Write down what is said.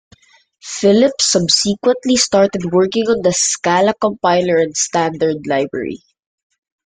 Phillips subsequently started working on the Scala compiler and standard library.